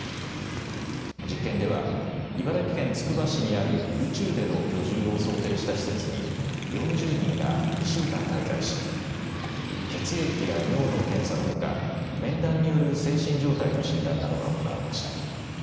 実験では茨城県つくば市にある宇宙での居住を想定した施設に４０人が２週間、滞在し血液や尿の検査のほか面談による精神状態の診断などが行われました。